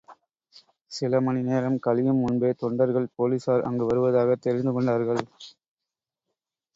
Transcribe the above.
சில மணி நேரம் கழியும் முன்பே தொண்டர்கள் போலிஸார் அங்கு வருவதாகத் தெரிந்து கொண்டார்கள்.